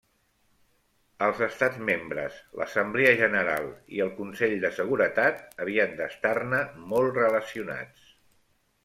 Els Estats membres, l'Assemblea General i el Consell de Seguretat havien d'estar-ne molt relacionats.